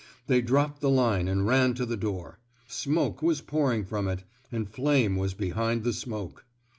They dropped the line and ran to the door. Smoke was pouring from it; and flame was behind the smoke.